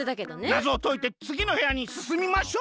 なぞをといてつぎのへやにすすみましょう！